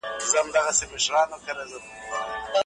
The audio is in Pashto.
ادبي مواد باید د ځوانانو لپاره په زړه پورې وي.